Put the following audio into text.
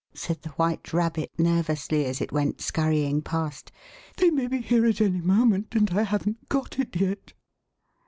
said the White Rabbit nervously, as it went scurrying past ;" they may be here at any moment, and I haven't got it yet."